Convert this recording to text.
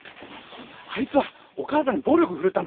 あいつはお母さんに暴力振るったんだぞ。